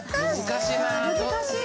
難しい！